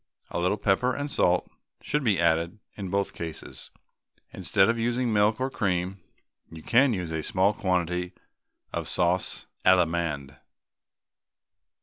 A little pepper and salt should be added in both cases. Instead of using either milk or cream, you can use a small quantity of sauce Allemande.